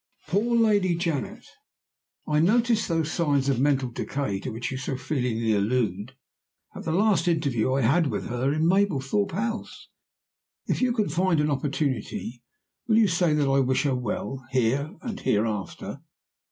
"Poor Lady Janet! I noticed those signs of mental decay to which you so feelingly allude at the last interview I had with her in Mablethorpe House. If you can find an opportunity, will you say that I wish her well, here and hereafter?